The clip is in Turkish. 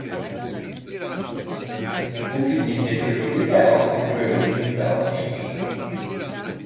Bu filmindeki rolüyle Altın Küre ödülünü de almıştır.